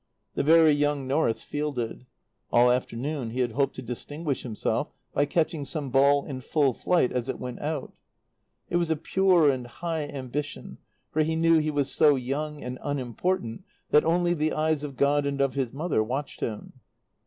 The very young Norris fielded. All afternoon he had hoped to distinguish himself by catching some ball in full flight as it went "out." It was a pure and high ambition, for he knew he was so young and unimportant that only the eyes of God and of his mother watched him.